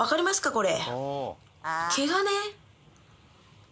これ。